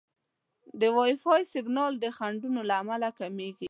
د وائی فای سیګنال د خنډونو له امله کمېږي.